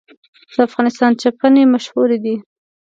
د افغانستان چپنې مشهورې دي